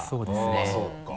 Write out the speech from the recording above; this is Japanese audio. まぁそうか。